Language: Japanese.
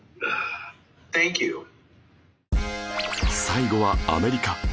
最後はアメリカ